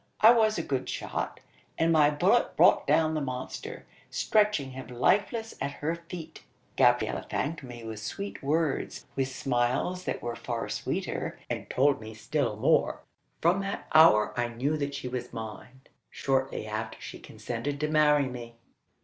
I was a good shot, and my bullet brought down the monster stretching him lifeless at her feet. Gabriella thanked me with sweet words with smiles that were far sweeter, and told me still more. From that hour I knew that she was mine. Shortly after she consented to marry me."